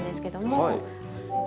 はい。